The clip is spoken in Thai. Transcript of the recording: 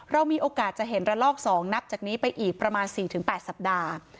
เรามีโอกาสจะเห็นระลอก๒นับจากนี้ไปอีกประมาณ๔๘สัปดาห์